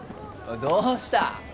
どうした？